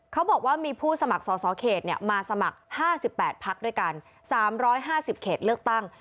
เขาบอกว่ามีผู้สมัครสอสอเขตมาสมัคร๕๘พักด้วยกัน๓๕๐เขตเลือกตั้ง